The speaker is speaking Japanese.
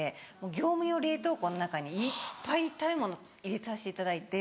業務用冷凍庫の中にいっぱい食べ物入れさせていただいて。